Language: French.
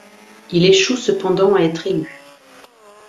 Il échoue cependant à être élu.